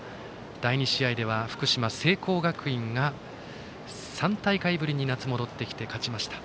第２試合では福島・聖光学院が３大会ぶりに夏、戻ってきて勝ちました。